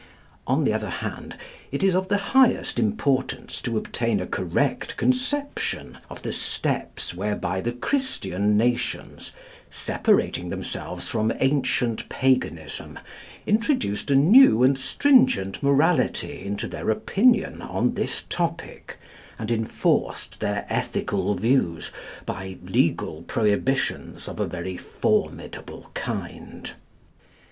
On the other hand, it is of the highest importance to obtain a correct conception of the steps whereby the Christian nations, separating themselves from ancient paganism, introduced a new and stringent morality into their opinion on this topic, and enforced their ethical views by legal prohibitions of a very formidable kind.